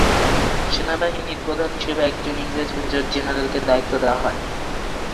সেনাবাহিনীর প্রধান হিসেবে একজন ইংরেজ মেজর জেনারেলকে দায়িত্ব দেওয়া হয়।